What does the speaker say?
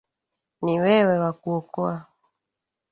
ni wewe wa kuokoa